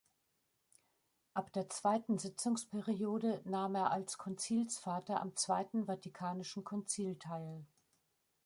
Ab der zweiten Sitzungsperiode nahm er als Konzilsvater am Zweiten Vatikanischen Konzil teil.